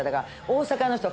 大阪の人